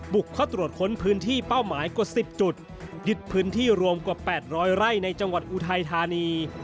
บุกเข้าตรวจค้นพื้นที่เป้าหมายกว่า๑๐จุดยึดพื้นที่รวมกว่า๘๐๐ไร่ในจังหวัดอุทัยธานี